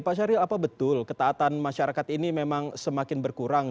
pak syahril apa betul ketaatan masyarakat ini memang semakin berkurang